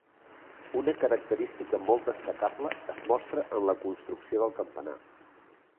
Una característica molt destacable es mostra en la construcció del campanar.